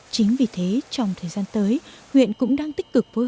chính vì thế trong thời gian tới huyện cũng đang tích cực phối hợp với các xã